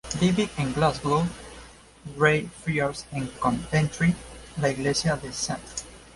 David en Glasgow; Grey Friars en Coventry; la Iglesia de St.